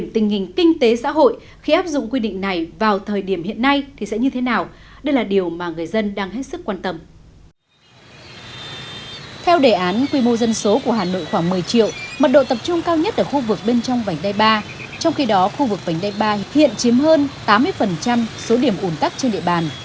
trong khi đó khu vực vành đai ba hiện chiếm hơn tám mươi số điểm ủn tắc trên địa bàn